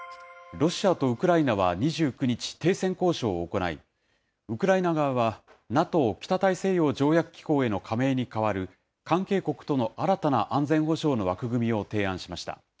ロシアとウクライナは２９日、停戦交渉を行い、ウクライナ側は、ＮＡＴＯ・北大西洋条約機構への加盟に代わる、関係国との新たな安全保障の枠組みを提案しました。